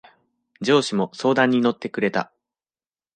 上司も相談に乗ってくれた。